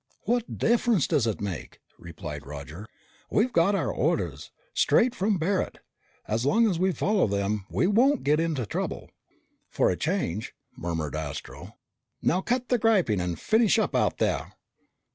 "What difference does it make?" replied Roger. "We've got our orders straight from Barret. As long as we follow them, we won't get into trouble." "For a change," murmured Astro. "Now cut the griping and finish up out there!"